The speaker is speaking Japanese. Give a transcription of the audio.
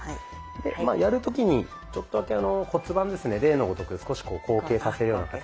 でやる時にちょっとだけ骨盤ですね例のごとく少しこう後傾させるような形。